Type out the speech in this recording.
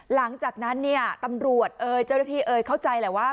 หลังจากนั้นตำรวจเจ้าเรือกสิทธิเข้าใจแหล่ะว่า